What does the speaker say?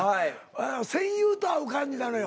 戦友と会う感じなのよ。